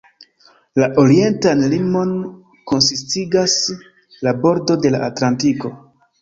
La orientan limon konsistigas la bordo de la Atlantiko.